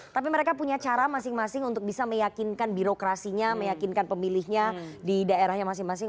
tapi mereka punya cara masing masing untuk bisa meyakinkan birokrasinya meyakinkan pemilihnya di daerahnya masing masing